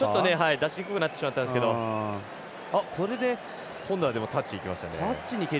出しにくくなってしまったんですけど今度はタッチにいきましたね。